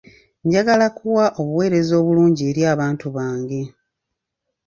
Njagala kuwa obuweereza obulungi eri abantu bange.